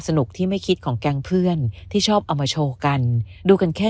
ที่ไม่คิดของแก๊งเพื่อนที่ชอบเอามาโชว์กันดูกันแค่